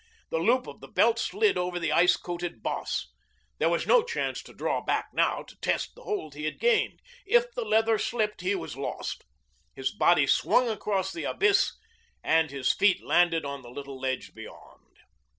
The loop of the belt slid over the ice coated boss. There was no chance to draw back now, to test the hold he had gained. If the leather slipped he was lost. His body swung across the abyss and his feet landed on the little ledge beyond.